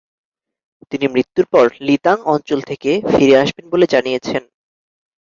তিনি মৃত্যুর পর লিতাং অঞ্চল থেকে ফিরে আসবেন বলে জানিয়েছেন।